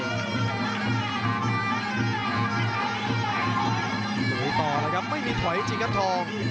ถุงโหมดต่อแล้วครับไม่มีถอยพยายามถอยจริงครับทอง